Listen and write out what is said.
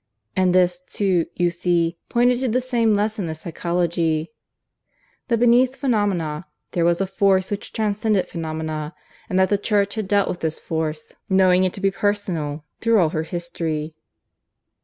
And this too, you see, pointed to the same lesson as Psychology, that beneath phenomena there was a Force which transcended phenomena; and that the Church had dealt with this Force, knowing It to be Personal, through all her history.